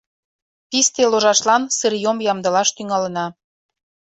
Писте ложашлан сырьём ямдылаш тӱҥалына.